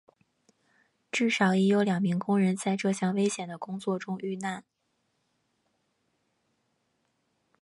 至少已有两名工人在这项危险的工作中遇难。